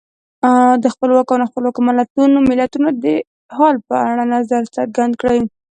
د خپلواکو او نا خپلواکو ملتونو د حال په اړه نظر څرګند کړئ.